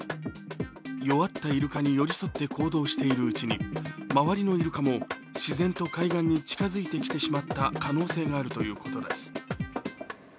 弱ったイルカに寄り添って行動しているうちに、周りのイルカも自然と海岸に近づいてきてしまった可能性があるということです。